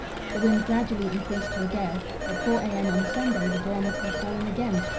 The wind gradually increased to a gale. At 4 a.m. on Sunday the barometer had fallen again to 28.